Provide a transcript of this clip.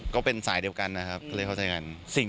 ก็เป็นสายเดียวกันนะครับก็เลยเข้าใจกัน